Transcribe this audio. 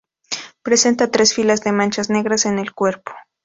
Presenta tres filas de manchas negras en el cuerpo.